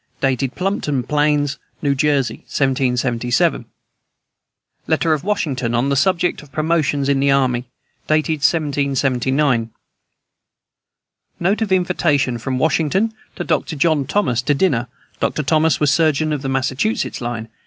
Dated Plumpton Plains, New Jersey, 1777. Letter of Washington on the subject of promotions in the army. Dated 1779. Note of invitation from Washington to Dr. John Thomas to dinner. Dr. Thomas was surgeon of the Massachusetts line.